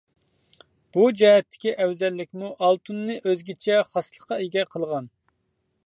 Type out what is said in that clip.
بۇ جەھەتتىكى ئەۋزەللىكىمۇ ئالتۇننى ئۆزگىچە خاسلىققا ئىگە قىلغان.